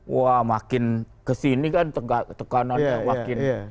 wah makin kesini kan tekanan yang wakin